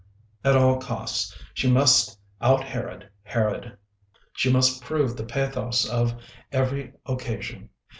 At all costs she must out Herod Herod; she must prove the pathos of every occasion.